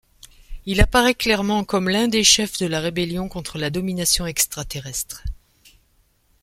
Il apparait clairement comme l'un des chefs de la rébellion contre la domination extraterrestre.